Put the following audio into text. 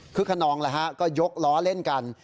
คึกคณองเลยก็ยกล้อเล่นกัน